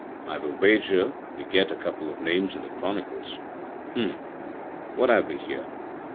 I will wager we get a couple of names in the Chronicles. H'm! what have we here?